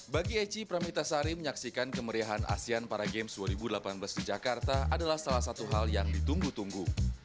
bagi eci pramitasari menyaksikan kemeriahan asean para games dua ribu delapan belas di jakarta adalah salah satu hal yang ditunggu tunggu